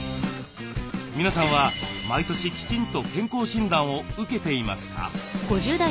皆さんは毎年きちんと健康診断を受けていますか？